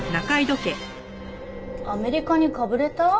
アメリカにかぶれた？